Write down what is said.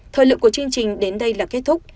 thời lượng của chương trình đến đây là kết thúc